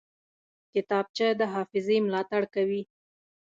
کتابچه د حافظې ملاتړ کوي